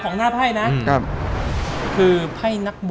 อเจมส์เปิดแล้วนะ